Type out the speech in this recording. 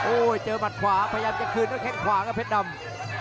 โอ้โหเจอหมัดขวาพยายามจะคืนด้วยแข้งขวาครับเพชรดำ